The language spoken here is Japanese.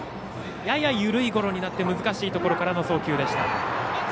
やや緩いゴロになって難しいところからの送球でした。